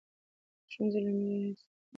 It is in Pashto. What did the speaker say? ښوونځي له مودې راهیسې اصلاحات پلي کړي دي.